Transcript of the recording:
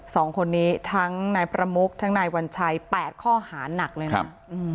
สองคนนี้ทั้งนายประมุกทั้งนายวัญชัยแปดข้อหานักเลยนะ